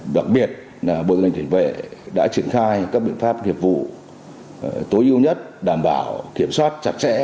đặc biệt bộ tư lệnh cảnh vệ đã triển khai các biện pháp nghiệp vụ tối ưu nhất đảm bảo kiểm soát chặt chẽ